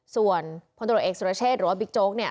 ส่วนพลตรวจเอกสุรเชษหรือว่าบิ๊กโจ๊กเนี่ย